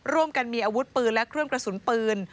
ร่วมกันมีอาวุธปืนและเครื่องกระสุนปืน